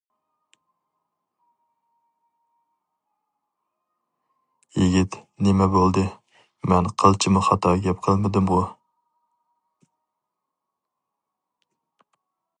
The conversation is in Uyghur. يىگىت: نېمە بولدى؟ مەن قىلچىمۇ خاتا گەپ قىلمىدىمغۇ.